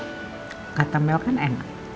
gak temel kan enak